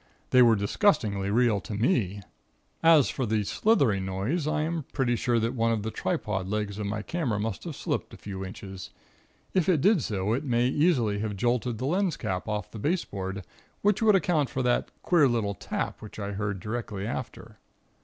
They were disgustingly real to me. As for the slithery noise, I am pretty sure that one of the tripod legs of my camera must have slipped a few inches: if it did so, it may easily have jolted the lens cap off the baseboard, which would account for that queer little tap which I heard directly after."